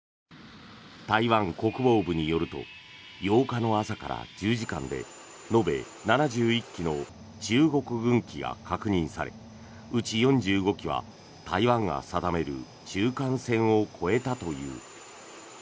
台湾国防部によると８日の朝から１０時間で延べ７１機の中国軍機が確認されうち４５機は台湾が定める中間線を越えたという。